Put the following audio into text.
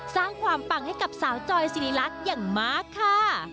สร้างความปังให้กับสาวจอยสิริรัตน์อย่างมากค่ะ